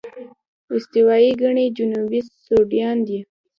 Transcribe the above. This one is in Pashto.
استوايي ګيني جنوبي سوډان دي.